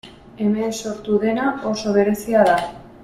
Hemen sortu dena oso berezia da.